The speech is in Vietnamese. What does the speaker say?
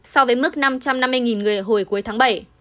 so với mức năm trăm năm mươi người hồi cuối tháng bảy